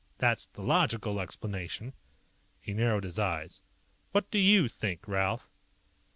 That's the logical explanation." He narrowed his eyes. "What do you think, Ralph?"